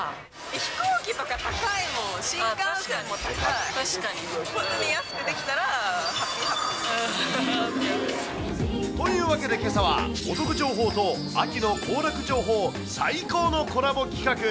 飛行機とか高い、もう新幹線確かに。安くできたらハッピーハッピーに。というわけでけさは、お得情報と秋の行楽情報、最高のコラボ企画。